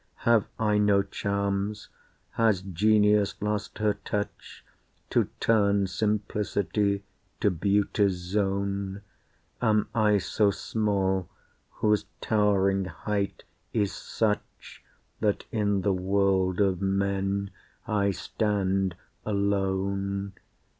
Have I no charms? has genius lost her touch To turn simplicity to beauty's zone? Am I so small, whose towering height is such That in the world of men I stand alone?